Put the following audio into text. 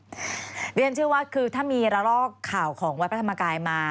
เรียนเชื่อว่าคือถ้ามีระลอกข่าวของวัดพระธรรมกายมา